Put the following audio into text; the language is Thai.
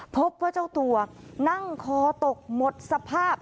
พบว่าเจ้าตัวนั่งคอตกหมดสภาพ